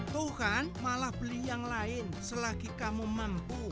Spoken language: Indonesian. tuh kan malah beli yang lain selagi kamu mampu